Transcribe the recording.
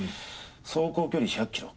走行距離１００キロ。